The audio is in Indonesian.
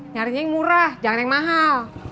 nyarinya yang murah jangan yang mahal